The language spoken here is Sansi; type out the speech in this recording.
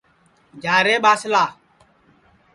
جا رے ٻاسلا